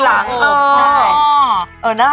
เออบางอย่างจะทำพิมพ์ไม่ทัน